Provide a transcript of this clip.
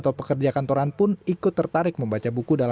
tapi tadi yang tertarik dari buku ini apa